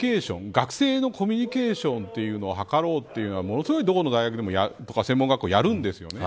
学生のコミュニケーションを図ろうというのをものすごい、どこの大学も専門学校もやるんです。